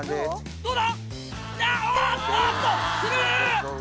どうだ？